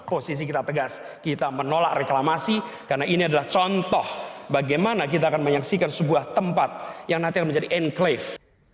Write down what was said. posisi kita tegas kita menolak reklamasi karena ini adalah contoh bagaimana kita akan menyaksikan sebuah tempat yang nanti akan menjadi enclave